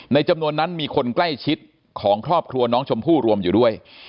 จำนวนนั้นมีคนใกล้ชิดของครอบครัวน้องชมพู่รวมอยู่ด้วย